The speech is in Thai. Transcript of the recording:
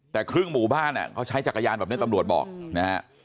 แต่ครึ่งหมู่บ้านเขาใช้จักรยานแบบนี้ตำรวจบอกนะฮะ